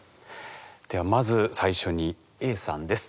ではまず最初にＡさんです。